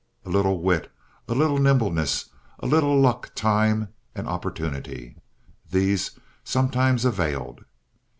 A little wit, a little nimbleness, a little luck time and opportunity—these sometimes availed.